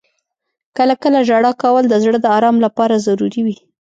• کله کله ژړا کول د زړه د آرام لپاره ضروري وي.